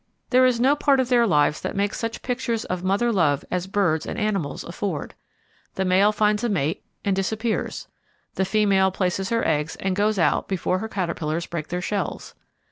There is no part of their lives that makes such pictures of mother love as birds and animals afford. The male finds a mate and disappears. The female places her eggs and goes out before her caterpillars break their shells.